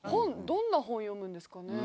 どんな本読むんですかね。